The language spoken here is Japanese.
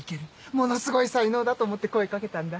ものすごい才能だと思って声掛けたんだ。